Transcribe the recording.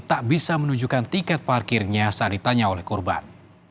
tak bisa menunjukkan tiket parkirnya saat ditanya oleh korban